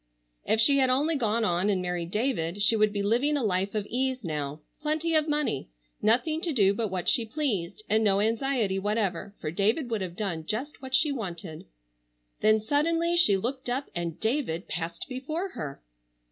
If she had only gone on and married David she would be living a life of ease now—plenty of money—nothing to do but what she pleased and no anxiety whatever, for David would have done just what she wanted. Then suddenly she looked up and David passed before her!